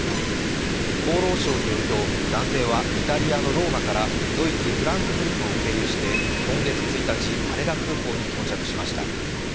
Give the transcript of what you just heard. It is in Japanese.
厚労省によると、男性はイタリアのローマからドイツ・フランクフルトを経由して、今月１日羽田空港に到着しました。